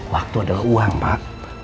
waktu adalah uang pak